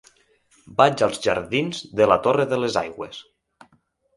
Vaig als jardins de la Torre de les Aigües.